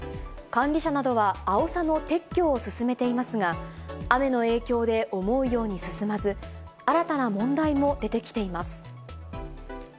管理者などはアオサの撤去を進めていますが、雨の影響で思うように進まず、新たな問題も出てきています。